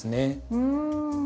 うん。